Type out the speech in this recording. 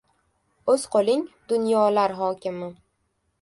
• O‘z qo‘ling — dunyolar hokimi.